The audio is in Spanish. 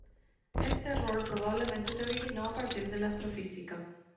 Este error probablemente se originó a partir de la astrofísica.